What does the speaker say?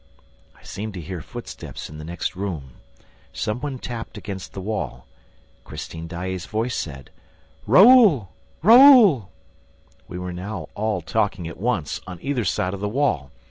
I seemed to hear footsteps in the next room. Some one tapped against the wall. Christine Daae's voice said: "Raoul! Raoul!" We were now all talking at once, on either side of the wall.